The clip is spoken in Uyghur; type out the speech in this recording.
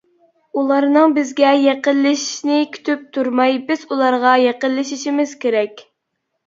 ئۇلارنىڭ بىزگە يېقىنلىشىشىنى كۈتۈپ تۇرماي، بىز ئۇلارغا يېقىنلىشىشىمىز كېرەك.